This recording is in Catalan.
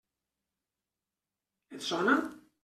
Et sona?